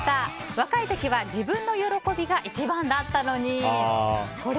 若い時は自分の喜びが一番だったのに。